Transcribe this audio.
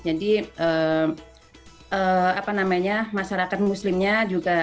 jadi apa namanya masyarakat muslimnya juga